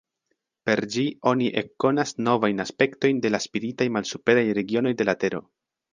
Per ĝi oni ekkonas novajn aspektojn de la spiritaj malsuperaj regionoj de la Tero.